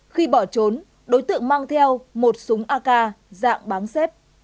khi bỏ trốn đối tượng mang theo một súng ak dạng bán xếp